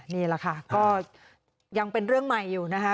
นี่แหละค่ะก็ยังเป็นเรื่องใหม่อยู่นะคะ